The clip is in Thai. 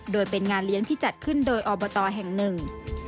โดยเป็นงานเลี้ยงที่จัดขึ้นโดยอบตแห่งหนึ่ง